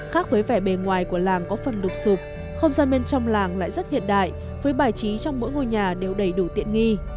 khác với vẻ bề ngoài của làng có phần lục sụp không gian bên trong làng lại rất hiện đại với bài trí trong mỗi ngôi nhà đều đầy đủ tiện nghi